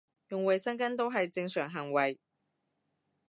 用衞生巾都係正常行為